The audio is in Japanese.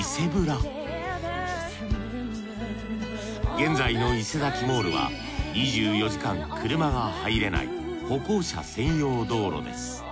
現在のイセザキ・モールは２４時間車が入れない歩行者専用道路です。